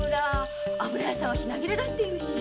油屋は品切れだって言うし。